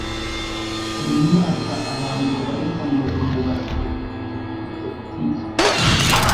Buri mwaka abantu babarirwa mu bihumbi basaba ubuhungiro muri politiki.